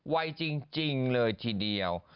วัยจริงเลยทีเดียว